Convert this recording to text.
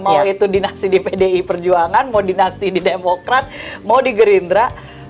mau itu di nasti di pdi perjuangan mau di nasti di demokrat mau di gerindra